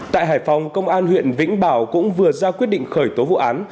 tại hải phòng công an huyện vĩnh bảo cũng vừa ra quyết định khởi tố vụ án